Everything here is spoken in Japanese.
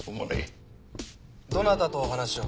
どなたとお話を？